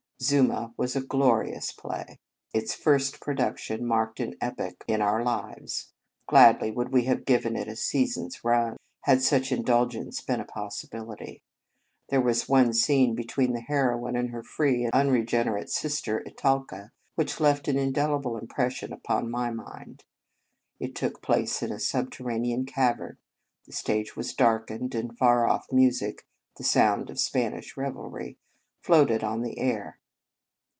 " Zuma " was a glorious play. Its first produc tion marked an epoch in our lives. Gladly would we have given it a sea son s run, had such indulgence been a possibility. There was one scene between the heroine and her free and unregenerate sister, Italca, which left an indelible impression upon my mind. It took place in a subterranean cavern. The stage was darkened, and far off music the sound of Spanish revelry floated on the air.